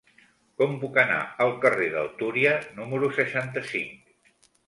Com puc anar al carrer del Túria número seixanta-cinc?